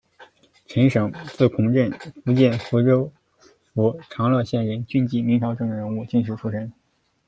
陈省，字孔震，福建福州府长乐县人，军籍，明朝政治人物、进士出身。